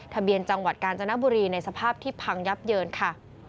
ทะเบียนจังหวัดกาญจนบุรีในสภาพที่พังยับเยินค่ะ